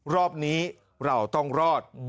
รอบนี้เราต้องรอด